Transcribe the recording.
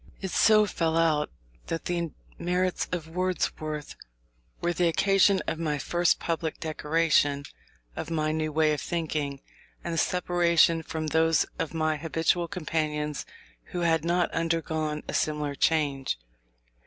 It so fell out that the merits of Wordsworth were the occasion of my first public declaration of my new way of thinking, and separation from those of my habitual companions who had not undergone a similar change.